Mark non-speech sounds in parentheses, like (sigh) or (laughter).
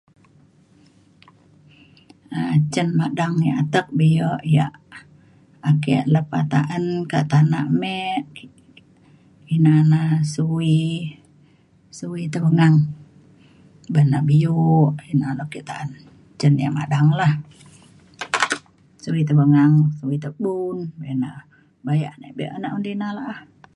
um cen madang ia' atek bio ia' ake lepa ta'an ka tana me ina na suwi suwi tebengang ban na bio ina na ke ta'an cen ia' madang lah (noise) suwi tebengang suwi tebun ina bayak na be'un di na la'a